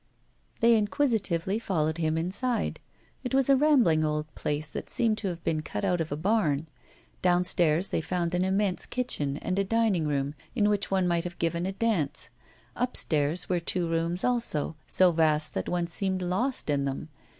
They inquisitively followed him inside. It was a rambling old place that seemed to have been cut out of a barn. Downstairs they found an immense kitchen and a dining room, in which one might have given a dance; upstairs were two rooms also, so vast that one seemed lost in them.